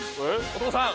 お義父さん！